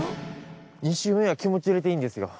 ２周目は気持ち入れていいんですよ。